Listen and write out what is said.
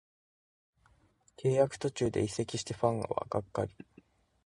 契約途中で移籍してファンはがっかり